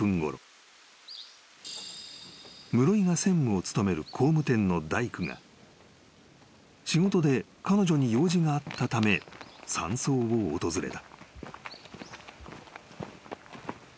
［室井が専務を務める工務店の大工が仕事で彼女に用事があったため山荘を訪れた］